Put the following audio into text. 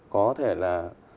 có thể là